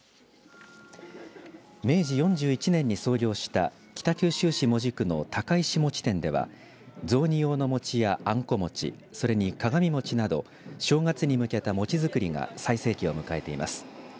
明治４１年に創業した北九州市、門司区の高石餅店では雑煮用の餅やあんこ餅それに鏡餅など正月に向けた餅作りが最盛期を迎えています。